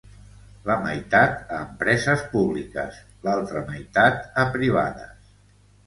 La meitat, a empreses públiques; l’altra meitat, a privades.